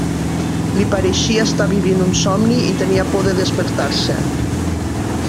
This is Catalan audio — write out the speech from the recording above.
Li pareixia estar vivint un somni i tenia por de despertar-se.